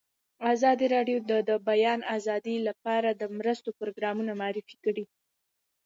ازادي راډیو د د بیان آزادي لپاره د مرستو پروګرامونه معرفي کړي.